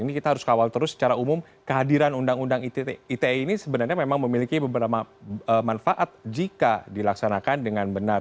ini kita harus kawal terus secara umum kehadiran undang undang ite ini sebenarnya memang memiliki beberapa manfaat jika dilaksanakan dengan benar